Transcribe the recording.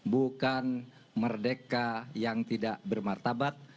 bukan merdeka yang tidak bermartabat